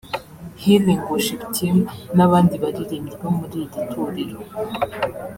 Healing Worship Team n’abandi baririmbyi bo muri iri torero